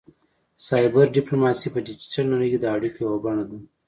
سایبر ډیپلوماسي په ډیجیټل نړۍ کې د اړیکو یوه بڼه ده